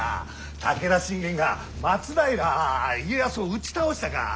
武田信玄が松平家康を打ち倒したか。